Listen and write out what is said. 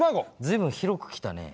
随分広く来たね。